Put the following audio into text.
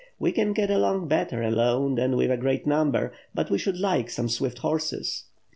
We can get along better alone than with a great number, but we should like some swift horses."